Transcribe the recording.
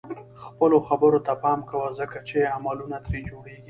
خپلو خبرو ته پام کوه ځکه چې عملونه ترې جوړيږي.